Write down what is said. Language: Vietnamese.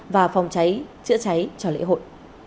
và phòng cháy chữa cháy cho lễ hội